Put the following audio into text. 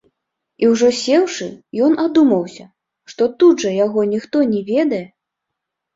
І ўжо сеўшы, ён адумаўся, што тут жа яго ніхто не ведае.